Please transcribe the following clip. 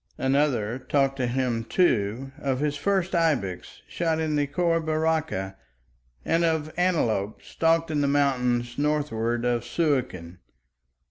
Another talked to him, too, of his first ibex shot in the Khor Baraka, and of antelope stalked in the mountains northward of Suakin.